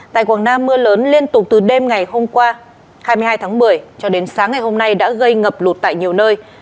tại quảng nam mưa lớn liên tục từ đêm ngày hôm qua hai mươi hai tháng một mươi cho đến sáng ngày hôm nay đã gây ngập lụt tại nhiều nơi